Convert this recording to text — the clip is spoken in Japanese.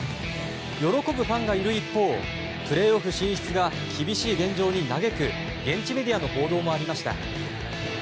喜ぶファンがいる一方プレーオフ進出が厳しい現状に嘆く、現地メディアの報道もありました。